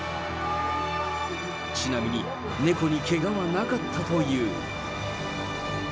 ちなみに、猫にけがはなかったという。